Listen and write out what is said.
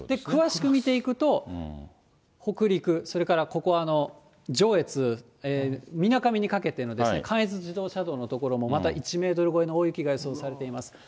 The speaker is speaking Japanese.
詳しく見ていくと、北陸、それからここは上越、水上にかけての関越自動車道の所もまた１メートル超えの大雪が予想されています。